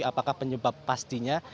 apakah penyebab pastinya